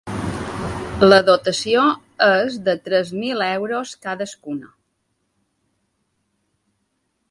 La dotació és de tres mil euros cadascuna.